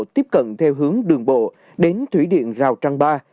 tiếp cận theo hướng đường bộ đến thủy điện rào trăng ba